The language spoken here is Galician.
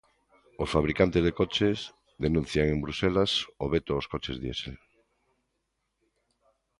Os fabricantes de coches denuncian en Bruxelas o veto aos coches diésel.